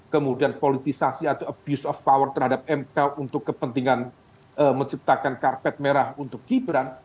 kemudian politisasi atau abuse of power terhadap mk untuk kepentingan menciptakan karpet merah untuk gibran